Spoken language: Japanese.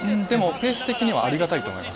ペース的にはありがたいと思います。